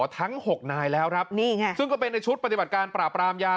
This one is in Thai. ทั้ง๖นายแล้วครับนี่ไงซึ่งก็เป็นในชุดปฏิบัติการปราบรามยา